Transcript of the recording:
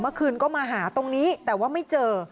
เมื่อคืนก็มาหาตรงนี้แต่ว่าไม่เจอ